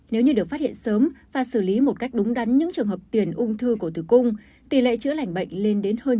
nếu như được phát hiện sớm và xử lý một cách đúng đắn những trường hợp tiền ung thư cổ tử cung tỷ lệ chữa lành bệnh lên đến hơn